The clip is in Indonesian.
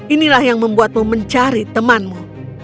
inilah yang membuatmu mencari temanmu